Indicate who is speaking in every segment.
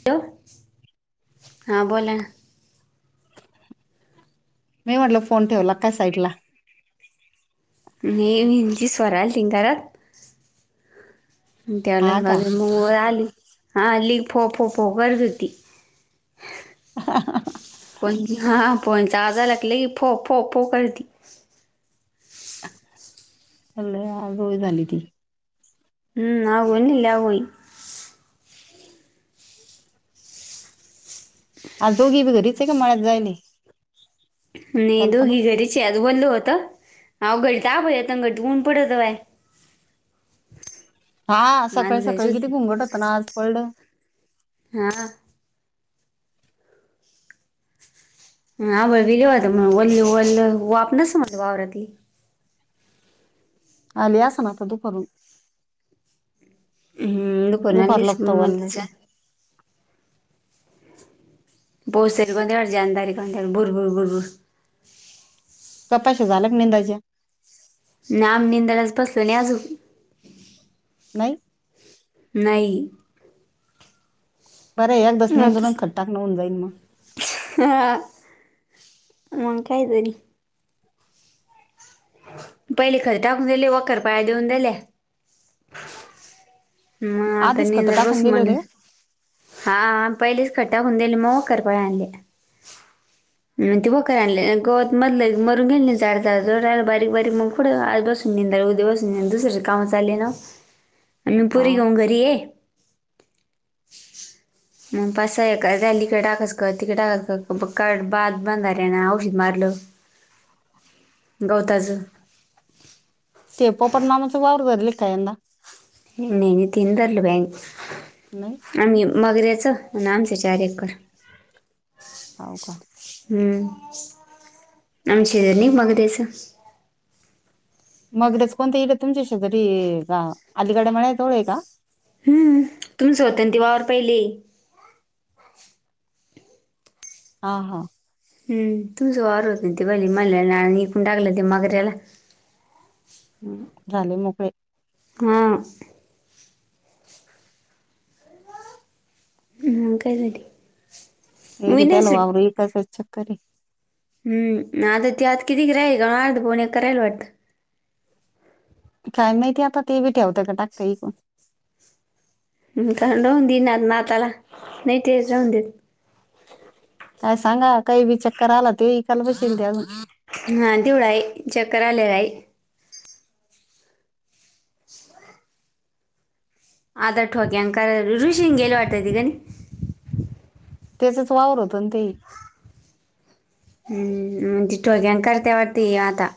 Speaker 1: Hello, हां बोला.
Speaker 2: मी म्हटल फोन ठेवला काय साईड ला.
Speaker 1: नाही जी स्वरा आलति ना घरात.
Speaker 2: हा
Speaker 1: त्यावलाना
Speaker 2: का
Speaker 1: बाजुला मग आली हा ली फो फो करीत होती ती. कोन हा फोन चा आवाज आला की फो फो फो करती.
Speaker 2: ह लय आगव झाली ती.
Speaker 1: हम आगव नाही लय आगव..
Speaker 2: आज दोघी बी घरीच हे का मळ्यात जायल हे.
Speaker 1: नि दोघी घरीचे आज ओल्ल होत आओ घडीत आभळ येत घडत ऊन पडत बाय.
Speaker 2: हा
Speaker 1: आज
Speaker 2: सकाळी
Speaker 1: घरीच
Speaker 2: सकाळी किती
Speaker 1: होती
Speaker 2: घुंगट होत ना आज पडल.
Speaker 1: हा. हा आभळ बी लय होत म ओल्ली ल्ल वाप नसन आता वावरातली.
Speaker 2: आली आसन आता दुपारून.
Speaker 1: हं दुपारुन
Speaker 2: दुपार
Speaker 1: आली
Speaker 2: लागतो
Speaker 1: आसन मग
Speaker 2: वल्ल
Speaker 1: चाल.. पउस कोणता एवढा जाणदार आहे कानू बुरबुर बुरबूर.
Speaker 2: कपाश्या झाल्या का निंदाच्या.
Speaker 1: नाही आम्ही निंदालाच बसलो नाही अजून.
Speaker 2: नाही
Speaker 1: नाही
Speaker 2: बरे एक दसणींदोल खट्टा नवऊन जाईन मग
Speaker 1: ह ममां कायदरी पहिली खर टाकून दिली वखे पाया देऊन जाल्या म आता
Speaker 2: आधीच
Speaker 1: नि
Speaker 2: खत
Speaker 1: जर
Speaker 2: टाकून
Speaker 1: बस
Speaker 2: दिले
Speaker 1: म्ह
Speaker 2: होते का?
Speaker 1: हा पहिलेच खट्टा होऊून दिली मग करपाय आणले
Speaker 2: [inaudible]
Speaker 1: त ते वखर आणले गवत मधलं मरून गेले झाडड बारीक बारीक मग पुढ आज बस ्या बसून दुस काम चालले
Speaker 2: हा
Speaker 1: पुरीऊ घरी ते
Speaker 2: [inaudible]
Speaker 1: मग पाका तिकडे टाकस का तिकडे टाकस का बाद बांध आहे ना औषध मारलं
Speaker 2: ह
Speaker 1: गौतजू
Speaker 2: ते प पण नामाचं वावर ले कायंदा
Speaker 1: नाही तींतर्ल बाग
Speaker 2: नाही
Speaker 1: आम्ही मगऱ्याचं आणि आमचे चार एकर
Speaker 2: ह का
Speaker 1: हम्म आंग श मग देस
Speaker 2: मगरेच कोणत इल तुमच्या शजरी का अलीकाडे म्हणा ोढ आहे का
Speaker 1: हम्म तुम्च होत ती वावर पहिली
Speaker 2: हा हा
Speaker 1: हम् तुझं वार होत नाही ते ब मला निघून टाकलं ते मगर याला
Speaker 2: ह् झाले मगळे
Speaker 1: हा ह काय झारी
Speaker 2: ए रतल वा एक कसच चक्कररी
Speaker 1: हम् आता ते आता किती क राय का अर्ध फोन एक करायला वाटतं
Speaker 2: काय माहितीय आता ते बी ठेवत का टाकतांक
Speaker 1: थंडह दि नात नाताला नाही तेच राऊतेेत
Speaker 2: काय सांगा काही बी चक्कर आला ते वकााल बशल त्या अजून
Speaker 1: हा देवळ आहे चक्र आलेयला आहे [inaudible] आतार ठोक्या अंकार ऋषींग गेले वाटत त काणी
Speaker 2: त्याचाच वावर होतो ना ते
Speaker 1: हम्म तिठो घन करते वाटते आता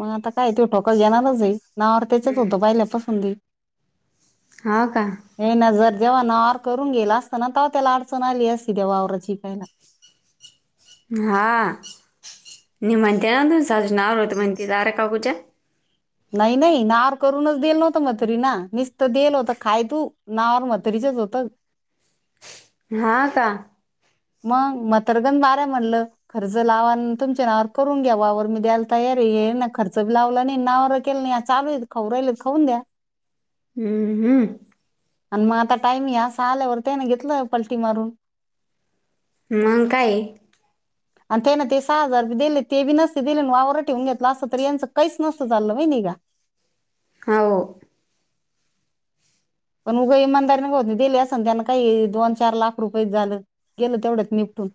Speaker 2: मग आता काय ते ठोक घेणारच आहे नावर त्याच्याच होतं पहिल्यापसूनी
Speaker 1: होा का
Speaker 2: हे ना जर जे्हाणा आार करून गेला असताना तव त्याला अडचण आली असती त्या वावराचीिपाहायला
Speaker 1: हां नि मध्याहन सहज नाव होत मंदार कागूजा
Speaker 2: नाही नाही नार करूनच देल नव्हत मथरी ना निसत देल होत खाय तू नार मथरीचच होतं
Speaker 1: हा का
Speaker 2: मग मथरगन वाऱ्या म्हणलं खर्च लावा तुमच्या नावावर करून घ्यावर मी द्यायला तयार हे ना खर्च बी लावला नाही नाववर केलं नाही चालू आहे ख राहिल खाऊन द्या
Speaker 1: हम्म हम्म
Speaker 2: आणि मग आता टाईम या अस आल्यावर ते ना घेतलं पलटी मारून
Speaker 1: म काय
Speaker 2: आणि त्याना ते सहा हजार दिले ते बी नसते दिले वावर ठेवून घेतलं अस तर यांचं काहीच नसं चाललं माहि निघा
Speaker 1: हो
Speaker 2: पण उगं इमानदारीनेत दिली असं ना त्यांना काही दोन चार लाख रुपये झालं गेलं तेवढ्याच निपटून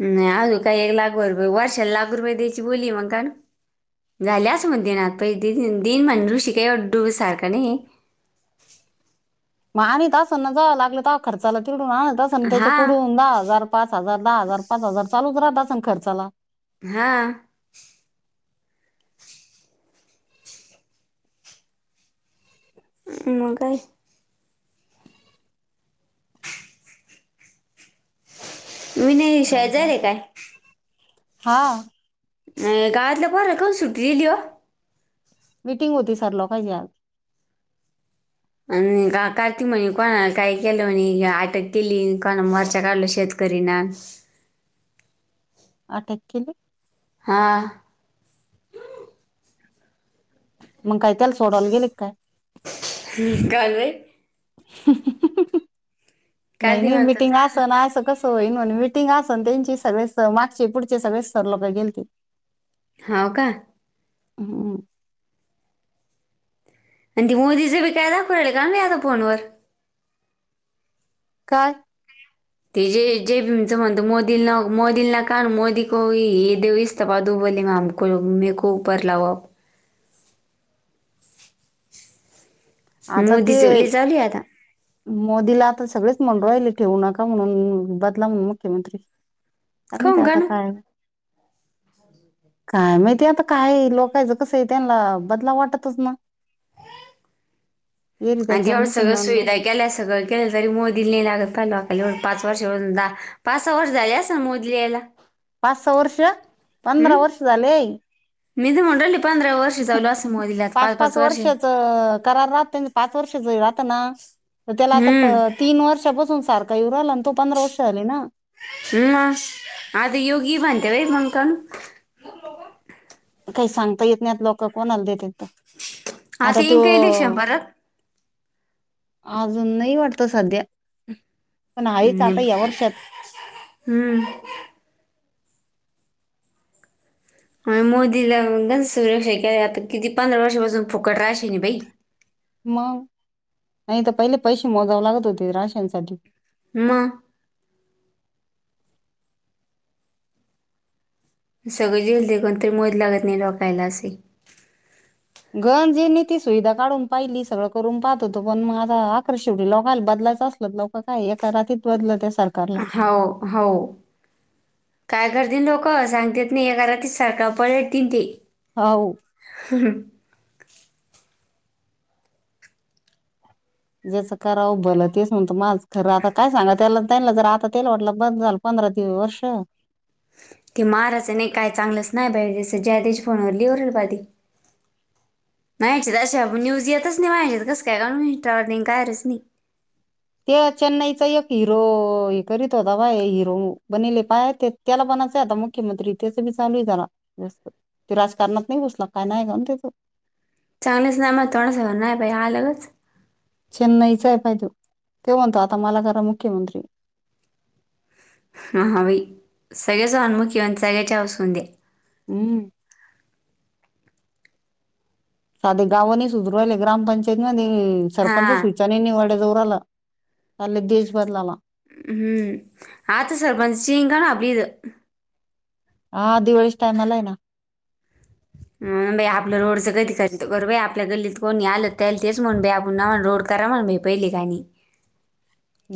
Speaker 1: नाही अजू काय एक लाख वर रुपये वर्षाला लाख रुपये द्यायची बोलली मग का ना झाल्या अस मग दिनात प दिन म्हण ऋषी का एव डुब सारखा नाही
Speaker 2: मग आणि तास ना जावं लागलं खर्चाला तिडून ना तस ना त्याच्या
Speaker 1: हा
Speaker 2: कुडून दहा हजार पाच हजार दहा हजार पाच हजार चालूच राहत सग खर्चाला
Speaker 1: हा ह म काय मी नाही
Speaker 2: जाऊ
Speaker 1: शेज
Speaker 2: दे
Speaker 1: रे
Speaker 2: आता.
Speaker 1: काय
Speaker 2: हा
Speaker 1: नाही गाातलं पण र का सुट लिओ
Speaker 2: मिीटिंग होती सर लोकच्यात
Speaker 1: आणि का काती म्हणे कोणा काही केलं म्हणे अटक केली कोणा वरचा काढल शेत करणा
Speaker 2: अटॅक केली
Speaker 1: हां
Speaker 2: मग काही त्याला सोडावला गेले काय
Speaker 1: गल
Speaker 2: ह नाही
Speaker 1: कार्तिक
Speaker 2: नाही
Speaker 1: म्हणतात
Speaker 2: मिटिंग असं ना असं कस हो म मिटिंग असून त्यांची सगळे स मागचे पुढचे सगळे सर लोक गेलतील
Speaker 1: होाव का
Speaker 2: हम्
Speaker 1: आणि ती मोदीच बी कायदा पु काल याता फोनवर
Speaker 2: काय
Speaker 1: ते जे जे पीचं म्हणत मोदींना मोदींलाना का मोदी को हे देऊसत पा दुबोली आम मेकूपर लावप
Speaker 2: आता ते
Speaker 1: मोदीचं ले चालू आहे आता
Speaker 2: मोदीला आता सगळेच म्हन राहिले ठेवू नका म्हणून बदला म्हणून मुख्यमंत्री आम तर
Speaker 1: खाऊन का
Speaker 2: आता
Speaker 1: ना
Speaker 2: काय काय माहिती आता काय लोकायचं कसं आहे त्यांना बदला वाटतच ना येरी
Speaker 1: आणि
Speaker 2: त्याच्यावर
Speaker 1: तेवढं सगळं
Speaker 2: मुसलमान लोक
Speaker 1: सुविधा केल्या सगळं केलं तरी मोदी नाही लागत पाहि पाच वर्ष द पाच सहा वर्ष झाली अस ना मोदी इलेला
Speaker 2: पाच सहा वर्ष पंधरा वर्ष झाले
Speaker 1: मी तर म्हणून राहिले पंधरा वर्ष चालू असं मोदीला आता
Speaker 2: पाच पाच
Speaker 1: वर्ष
Speaker 2: वर्षच करार राहते पाच वर्ष ज राहता ना त्याला
Speaker 1: हम्म
Speaker 2: आता तीन वर्ष बसून सारख काही उहिला आणि तो पंधरा वर्ष झाली ना
Speaker 1: हम आता य की भते बाई मंकान
Speaker 2: काही सांगता येत नाहीत लोक कोणाल देत तर आता तो
Speaker 1: येईन का इलेक्शन परत
Speaker 2: अजून नाही वाटत सध्या पण आहेच
Speaker 1: हम्
Speaker 2: आता या वर्षात
Speaker 1: हम्म मोदीला सुरक्षा के आता किती पंधरा वर्षापासून फुकट राहाश नाही बाई
Speaker 2: मग नाही तर पहिले पैसे मोजाव लागत होते राशन सा
Speaker 1: म सगळे जलदी कोण तरी मोज लागत नाही डोकायला असे
Speaker 2: गंजींनी ती सुविधा काढून पाहिली सगळं करून पाहत होतो पण मग आा आकरा शेवटी लोकांला बदलायच असत लोक काय एका रातीत बदलं त्या सरकारला
Speaker 1: हो हो काये गर्दी नको सागतेत नई करती सारका पळती थी थी
Speaker 2: हो
Speaker 1: हम्
Speaker 2: ज्याचं कराव भला तेच म्हणत, माझ खरं आता काय सांगा त्याला त्यांना जर आता तेल वाटलं बंद झालं. पंधरा ती वर्ष
Speaker 1: [unintelligible] [unintelligible]
Speaker 2: ते चेन्नईचा एक हिरो हे करीत होता. बाय हिरो बनले पाय ते त्याला बणायचं आता मुख्यमंत्री त्याच बी चालू हाय जरा जास्त राजकारणात नाही घुसला काय नाही. का
Speaker 1: चांगलेच ना मग थोडंस नाही. बाई अलगत
Speaker 2: चेन्नईचा आहे बाई त्यो त्यो म्हणतो आता मला करा मुख्यमंत्री
Speaker 1: हहाबाई सगळ्याचं अनमुख्य आणि सगळ्याच्या असू. दे
Speaker 2: हम्म साधे गावाने सुधारायला ग्रामपंचायत आणि
Speaker 1: हा
Speaker 2: सरपंच [unintelligible]
Speaker 1: [unintelligible]
Speaker 2: हा दिवाळीच्या टाइमला आहे. ना
Speaker 1: [unintelligible] [unintelligible]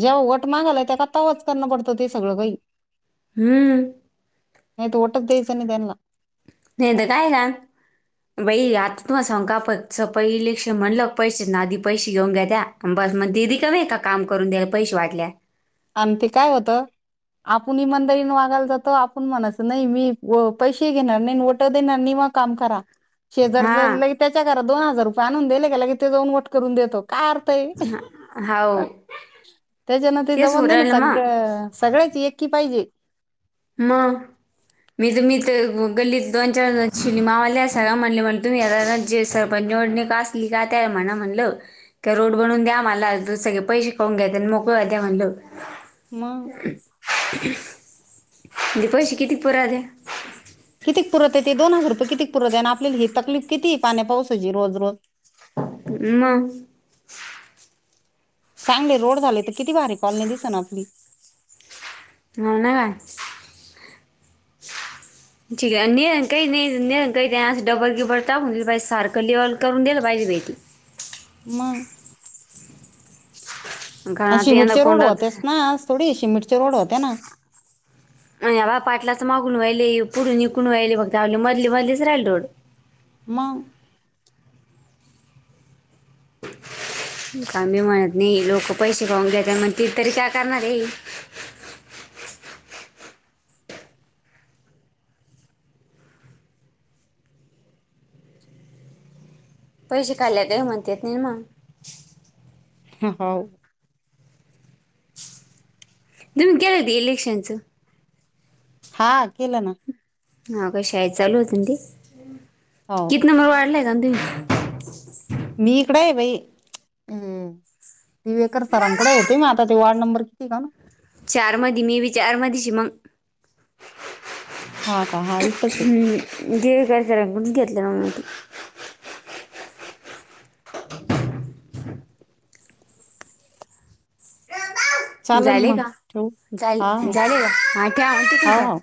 Speaker 2: जेव्हा वट मागालाय येतात तवाच करणं पडतं ते सगळं काही
Speaker 1: हम्म
Speaker 2: नाही तर ओटच द्यायचं नाही. त्यांना
Speaker 1: [unintelligible] [unintelligible] बस मग दीदी कमी आहे. का काम करून द्यायला पैसे वाटल्या.
Speaker 2: आमटी काय होतं. आपण इमादारीने वागायला जातो. आपण म्हणायच नाही मी व पैसे घेणार नाही वट देणार नाही. मग काम करा शेजारच लय
Speaker 1: हा
Speaker 2: त्याच्या घरात दोन हजार रुपये आणून दिले गेला की ते जाऊन वट करून देतो. काय अर्थ
Speaker 1: हो
Speaker 2: त्याच्यान ते
Speaker 1: तेच
Speaker 2: जमत नाही. ना
Speaker 1: उरलं मग
Speaker 2: सगळं अ सगळेच एकी पाहिजे.
Speaker 1: म [unintelligible] पण जोडणी का असली काय त्या आहे म्हणा म्हणलं का रोड बनून द्या मला जस की, सगळे पैसे खाऊन घेतात. मोकळ घ्या म्हणलं.
Speaker 2: मग
Speaker 1: [unintelligible]
Speaker 2: कितीक पुरत आहे. ते दोन हजार रुपये किती पुरत आहे. आणि आपल्याला हे तकलीफ किती पाण्या पाऊसाची रोज रोज,
Speaker 1: [unintelligible]
Speaker 2: चांगले रोड झाले, तर किती भारी कॉलनी दिसन आपली
Speaker 1: हा, ना
Speaker 2: [inaudible]
Speaker 1: [unintelligible]
Speaker 2: मग,
Speaker 1: कारण
Speaker 2: आणि
Speaker 1: आता यंदा
Speaker 2: सिमेंटचे रोड
Speaker 1: कोंडात
Speaker 2: होतेस ना, आज थोडी सिमेंटचे रोड होते ना,
Speaker 1: आणि बा पाटलाच मागून व्हायले, पुढे विकून व्हायले, बघ झाले मधली मधलीच राहिल रोड.
Speaker 2: मग
Speaker 1: का मी म्हणत नाही. लोक पैसे खाऊन घेतात. मग ते तरी काय करणार आहे. पैसे खाल्ल्यात म्हणत्यात नी मग,
Speaker 2: [unintelligible]
Speaker 1: [unintelligible]
Speaker 2: हा केलं ना
Speaker 1: हा का शाळ चालू होत ते
Speaker 2: हो
Speaker 1: किती नंबर वाढलाय आ तुम् [inaudible]
Speaker 2: मीकडे पई हम दिवेकर सरांकडे होते मी आताचे वॉ्ड नंबर किती का ना
Speaker 1: चार मध मी बी चार मधच मग
Speaker 2: हा का हा इटच आहे
Speaker 1: जेवे का स कुठ घेतले ना
Speaker 2: चालन
Speaker 1: झाले
Speaker 2: मग ठेवू
Speaker 1: काले
Speaker 2: हा हा
Speaker 1: झाले का हा ठ्यावते
Speaker 2: हा
Speaker 1: तुमच्या
Speaker 2: हा